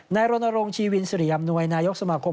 ในรณรงค์ชีวินศรีอำนวยนายกสมคง